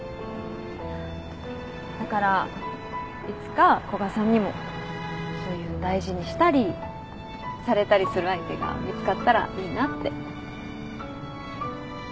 だからいつか古賀さんにもそういう大事にしたりされたりする相手が見つかったらいいなって。